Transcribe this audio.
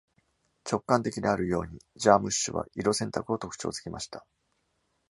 「直観的である」ように、ジャームッシュは色選択を特徴づけました。